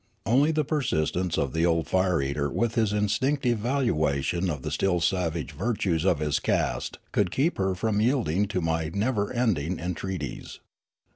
Only the persistence of the old fire eater with his instinctive valuation of the still savage virtues of his caste could keep her from jMelding to my never ending entreaties.